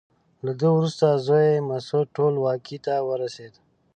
له ده وروسته زوی یې مسعود ټولواکۍ ته ورسېد.